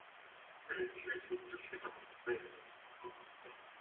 在十三岁时